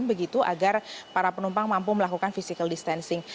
begitu agar para penumpang mampu melakukan physical distancing